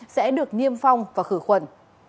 sẽ được niêm phong và khử khuẩn